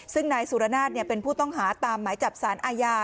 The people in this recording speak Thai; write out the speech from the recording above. ซึ่งนายสุรนาศเป็นผู้ต้องหาตามหมายจับสารอาญา